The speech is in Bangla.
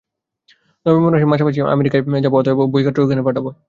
নভেম্বর মাসের শেষাশেষি আমেরিকায় যাব, অতএব বইপত্র ঐখানে পাঠাবে।